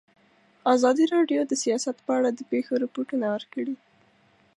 ازادي راډیو د سیاست په اړه د پېښو رپوټونه ورکړي.